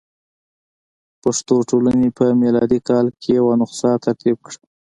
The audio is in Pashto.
پښتو ټولنې په میلادي کال کې یوه نسخه ترتیب کړه.